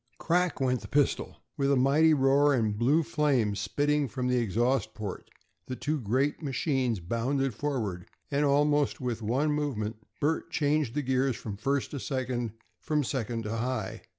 Crack! went the pistol. With a mighty roar, and the blue flames spitting from the exhaust ports, the two great machines bounded forward, and almost with one movement Bert changed the gears from first to second, from second to high.